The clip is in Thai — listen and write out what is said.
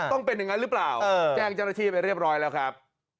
ต้องเป็นอย่างนั้นหรือเปล่าแจ้งเจ้าหน้าที่ไปเรียบร้อยแล้วครับ